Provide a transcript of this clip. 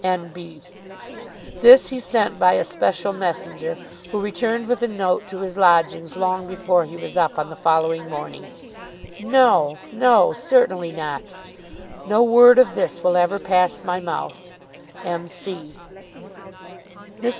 N. B. This he sent by a special messenger, who returned with a note to his lodgings long before he was up on the following morning. No; no; certainly not. No word of this will ever pass my mouth. M. C. Mr.